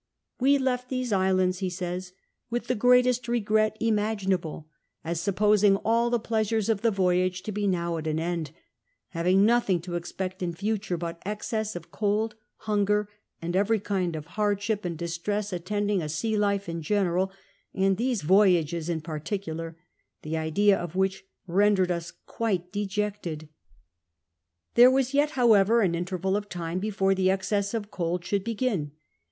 "We left these islands," he says, "with the greatest regret imaginable : as supposing all the plea sures of the voyage to be nf)w at an end: having notliing to expect in future but excess of cold, hung(T, and every kind of haixlship and distress attending a sea life in general, and these voyages in particular, the idea of wliich rendered us quite dejected." There was yet, liowever, an interval of time before the excess of cold should licgin.